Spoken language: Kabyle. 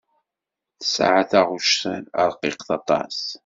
Tesɛa taɣect rqiqet aṭas.